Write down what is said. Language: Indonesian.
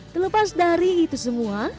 terlepas dari itu semua